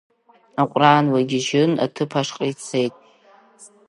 Аҟәраан лагьыжьны аҭыԥ ашҟа ицеит.